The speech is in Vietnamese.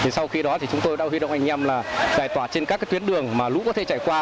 sau khi đó chúng tôi đã huy động anh em là giải tỏa trên các tuyến đường lũ có thể chảy qua